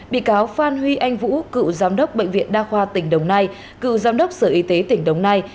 bị cáo phan huy anh vũ cựu giám đốc bệnh viện đa khoa tỉnh đồng nai cựu giám đốc sở y tế tỉnh đồng nai